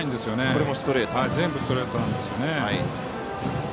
全部ストレートなんですよね。